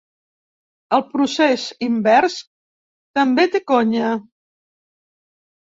El procés invers també té conya.